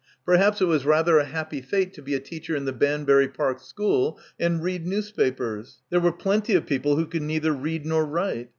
Per haps it was rather a happy fate to be a teacher in the Banbury Park school and read newspapers. There were plenty of people who could neither read nor write.